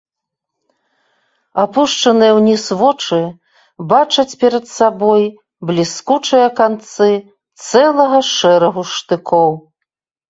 Апушчаныя ўніз вочы бачаць перад сабой бліскучыя канцы цэлага шэрагу штыкоў.